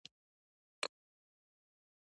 دا توکي کله کلسیم، مګنیزیم او زیات یوریک اسید وي.